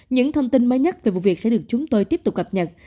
những thông tin mới nhất về vụ việc sẽ được chúng tôi tiếp tục cập nhật